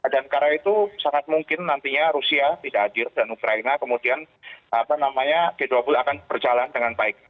dan karena itu sangat mungkin nantinya rusia tidak adil dan ukraina kemudian g dua puluh akan berjalan dengan baik